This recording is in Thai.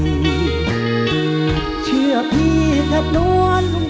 อีขอให้เจ้าคนรู้จักปฏิภัณฑ์อย่างใหญ่เว้ยมา